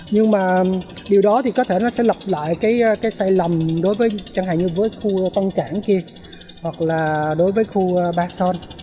nhưng mà điều đó thì có thể nó sẽ lập lại cái sai lầm đối với chẳng hạn như với khu tân cảng kia hoặc là đối với khu ba son